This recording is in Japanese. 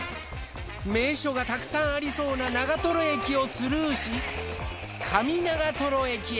名所がたくさんありそうな長駅をスルーし上長駅へ。